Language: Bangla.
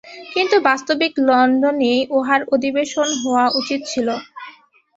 কিন্তু বাস্তবিক লণ্ডনেই উহার অধিবেশন হওয়া উচিত ছিল।